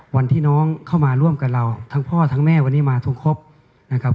วันที่น้องเข้ามาร่วมกับเราทั้งพ่อทั้งแม่วันนี้มาทุกครบนะครับ